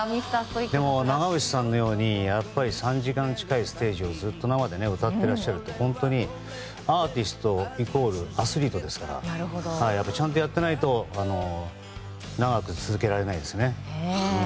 でも長渕さんのように３時間近いステージをずっと生で歌ってらっしゃるって本当にアーティスト、イコールアスリートですからちゃんとやっていないと長く続けられないですね。